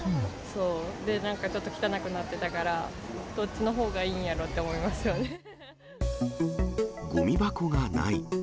で、なんかちょっと汚くなってたから、どっちのほうがいいんやろと思いごみ箱がない。